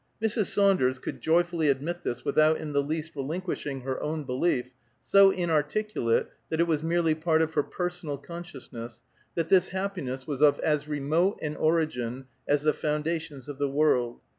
Mrs. Saunders could joyfully admit this without in the least relinquishing her own belief, so inarticulate that it was merely part of her personal consciousness, that this happiness was of as remote an origin as the foundations of the world.